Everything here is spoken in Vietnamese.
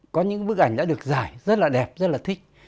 có những bức ảnh đã được giải rất là đẹp rất là thích